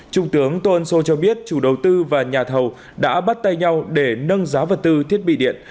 trung tướng tôn sô cho biết chủ đầu tư và nhà thầu đã bắt tay nhau để nâng giá vật tư thiết bị điện